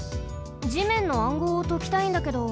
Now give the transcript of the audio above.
地面の暗号をときたいんだけど。